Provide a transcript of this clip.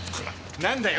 何だよ